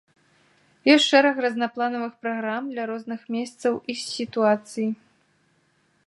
Ёсць шэраг рознапланавых праграм для розных месцаў і сітуацый.